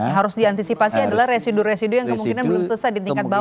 yang harus diantisipasi adalah residu residu yang kemungkinan belum selesai di tingkat bawah